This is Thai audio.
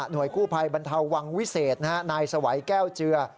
กู้ภัยบรรเทาวังวิเศษนายสวัยแก้วเจือ